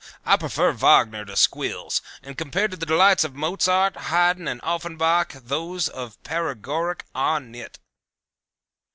I prefer Wagner to squills, and compared to the delights of Mozart, Hayden and Offenbach those of paregoric are nit."